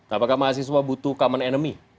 apakah mahasiswa butuh common enemy